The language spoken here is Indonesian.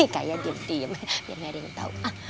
kaya diem diem biar gak ada yang tau